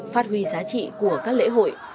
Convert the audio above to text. phát huy giá trị của các lễ hội